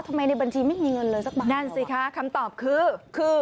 ในบัญชีไม่มีเงินเลยสักบาทนั่นสิคะคำตอบคือคือ